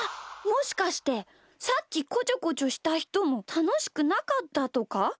もしかしてさっきこちょこちょしたひともたのしくなかったとか？